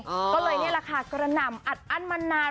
ก็เลยนี่แหละค่ะกระหน่ำอัดอั้นมานาน